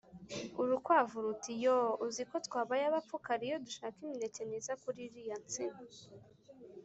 urukwavu ruti « Yooo, uzi ko twabaye abapfu kare iyo dushaka imineke myiza kuri iriya nsina